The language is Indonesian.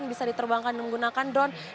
bisa diterbangkan menggunakan drone